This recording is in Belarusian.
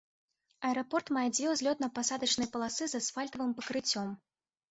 Аэрапорт мае дзве узлётна-пасадачныя паласы з асфальтавым пакрыццём.